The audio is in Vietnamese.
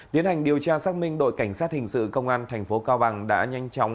tiến hành điều tra xác minh đội cảnh sát hình sự công an tp cao bằng đã nhanh chóng